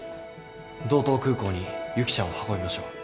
道東空港にゆきちゃんを運びましょう。